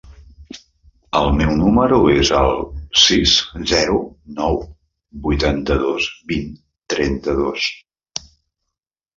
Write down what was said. El meu número es el sis, zero, nou, vuitanta-dos, vint, trenta-dos.